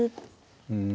うん。